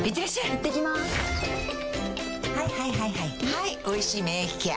はい「おいしい免疫ケア」